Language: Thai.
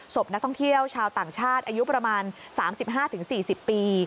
ศพนักท่องเที่ยวชาวต่างชาติอายุประมาณ๓๕๔๐ปี